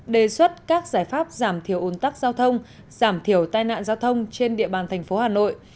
đề xuất các giải pháp giảm thiểu ủn tắc giao thông giảm thiểu tai nạn giao thông trên địa bàn thành phố hà nội